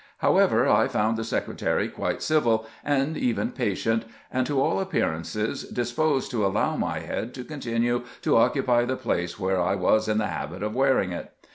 However, I found the Secretary quite civil, and even patient, and, to aU ap pearances, disposed to allow my head to continue to occupy the place where I was in the habit of wearing it.